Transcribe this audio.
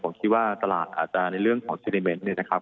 ผมคิดว่าตลาดอาจจะในเรื่องของเซนิเมนต์เนี่ยนะครับ